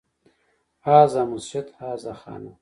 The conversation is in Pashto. هذا مسجد، هذا خانه